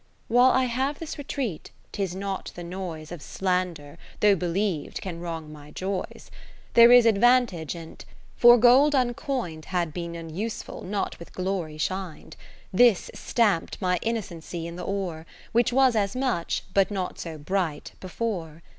While I have this retreat, 'tis not the noise Of slander, though believ'd, can wrong my joys. There is advantage in 't : for gold uncoin'd Had been unuseful, not with glory shin'd : This stamp'd my innocency in the ore. Which was as much, but not so bright, before.